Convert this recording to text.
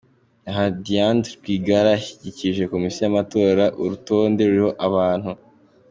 Aha Diande Rwigara yashyikirije Komisiyo y’amatora urutonde ruriho abantu